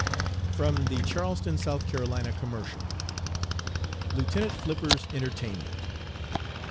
(From the Charleston (S.C.) Commercial.) LIEUTENANT FLIPPER'S ENTERTAINMENT.